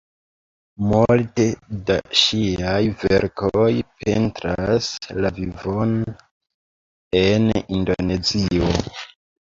Multe da ŝiaj verkoj pentras la vivon en Indonezio.